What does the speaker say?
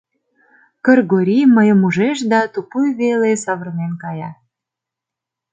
Кыргорий мыйым ужеш да тупуй веле савырнен кая.